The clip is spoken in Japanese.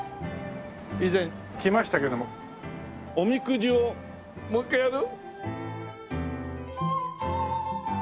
以前来ましたけどもおみくじをもう一回やる？